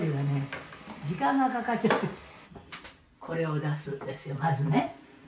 「これを出すんですよまずね」